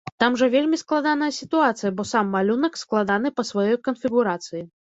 Там жа вельмі складаная сітуацыя, бо сам малюнак складаны па сваёй канфігурацыі.